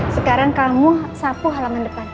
sekarang kamu sapu halaman depan